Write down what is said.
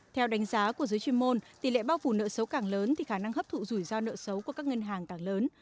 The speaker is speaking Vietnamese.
theo đánh giá của giới chuyên môn tỷ lệ bao phủ nợ xấu càng lớn thì khả năng hấp thụ rủi ro nợ xấu của các ngân hàng càng lớn